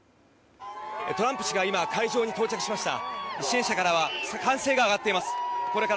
トランプ氏が今、会場に到着しました。